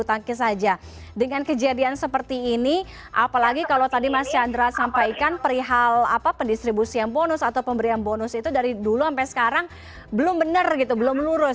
ada di assisting packaging an untuk pendidikan stres korrekturggangnya ya sampai lagi dari